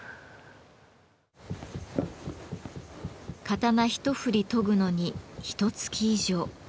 刀一振り研ぐのにひとつき以上。